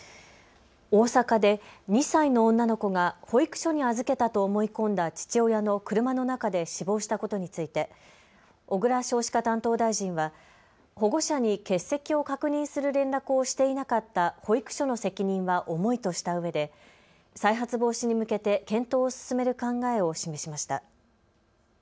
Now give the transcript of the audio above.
大阪で２歳の女の子が保育所に預けたと思い込んだ父親の車の中で死亡したことについて小倉少子化担当大臣は保護者に欠席を確認する連絡をしていなかった保育所の責任は重いとしたうえで再発防止に向けて検討を進める考えを示しました。